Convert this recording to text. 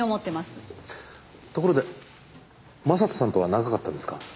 ところで将人さんとは長かったんですか？